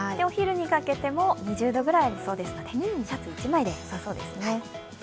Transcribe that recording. お昼にかけても２０度くらいありそうですのでシャツ１枚で良さそうですね。